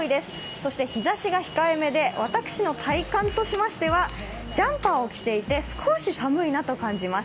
そして日ざしが控えめで、私の体感としましてはジャンパーを着ていて少し寒いなと感じます。